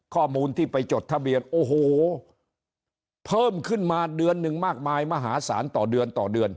ข้อมูลที่ไปจดทะเบียนโอ้โหเพิ่มขึ้นมาเดือนหนึ่งมากมายมหาศาลต่อเดือนต่อเดือน